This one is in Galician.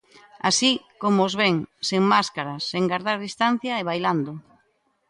Así, como os ven: sen máscaras, sen gardar distancia, e bailando.